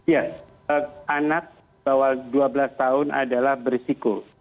ya anak bawah dua belas tahun adalah berisiko